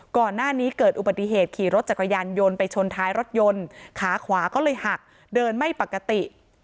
ก่อนหน้านี้เกิดอุบัติเหตุขี่รถจักรยานยนต์ไปชนท้ายรถยนต์ขาขวาก็เลยหักเดินไม่ปกติ